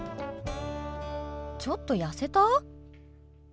ちょっと痩せた？